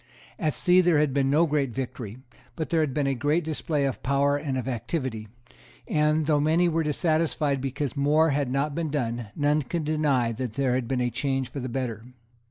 At sea there had been no great victory; but there had been a great display of power and of activity; and, though many were dissatisfied because more had not been done, none could deny that there had been a change for the better.